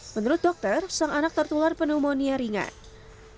menurut dokter sang anak tertular pneumonia ringan